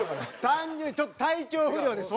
単純にちょっと体調不良です